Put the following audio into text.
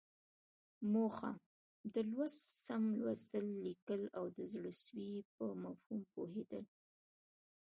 موخه: د لوست سم لوستل، ليکل او د زړه سوي په مفهوم پوهېدل.